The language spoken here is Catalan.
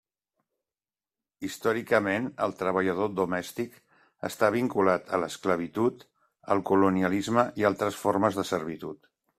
Històricament el treballador domèstic està vinculat a l'esclavitud, el colonialisme i altres formes de servitud.